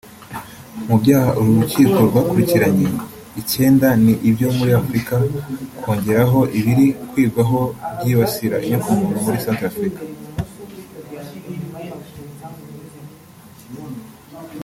Mu byaha uru rukiko rwakurikiranye icyenda ni ibyo muri Africa kongeraho ibiri kwigwaho byibasira inyoko muntu muri Centrafrica